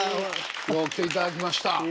よう来ていただきました。